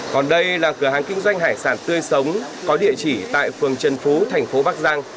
còn đây là cửa hàng kinh doanh hải sản tươi sống có địa chỉ tại phường trần phú thành phố bắc giang